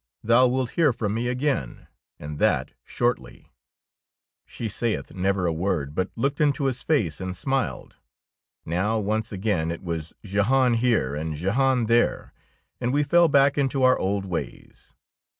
Thou wilt hear from me again, and that shortly." 20 THE KOBE OF THE DUCHESS She saith never a word, but looked into his face and smiled. Now once again it was Jehan here " and "Jehan there," and we fell back into our old ways.